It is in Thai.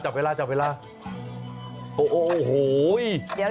โอ้โฮย